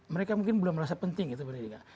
mereka mungkin belum merasa penting itu pendidikan